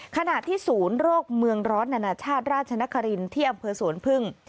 ขณะที่ศูนย์โรคเมืองร้อนนานาชาติราชนครินที่อำเภอสวนพึ่ง